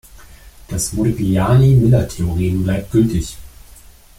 Das Modigliani-Miller-Theorem bleibt gültig.